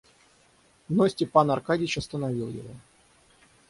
Но Степан Аркадьич остановил его.